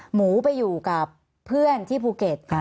หมูไปอยู่กับเพื่อนที่ภูเก็ต